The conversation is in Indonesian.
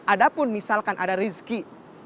ada pun misalkan ada rizki